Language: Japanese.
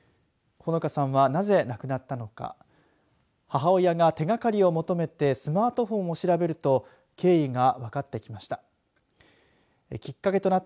ほのかさんはなぜ亡くなったのか母親が、手がかりを求めてスマートフォンを調べると経緯が分かってきました。